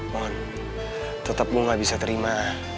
mon tetap gue gak bisa terima